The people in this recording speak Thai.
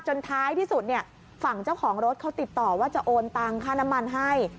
ท้ายที่สุดเนี่ยฝั่งเจ้าของรถเขาติดต่อว่าจะโอนตังค่าน้ำมันให้